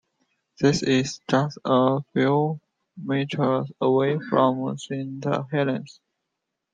This is just a few metres away from Saint Helen's.